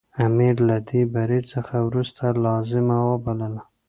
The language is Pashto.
امیر له دې بري څخه وروسته لازمه وبلله.